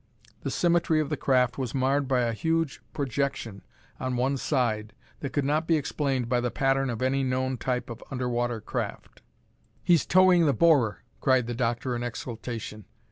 The symmetry of the craft was marred by a huge projection on one side that could not be explained by the pattern of any known type of under water craft. "He's towing the borer!" cried the doctor in exultation.